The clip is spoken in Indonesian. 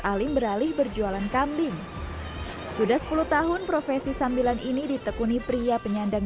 alim beralih berjualan kambing sudah sepuluh tahun profesi sambilan ini ditekuni pria penyandang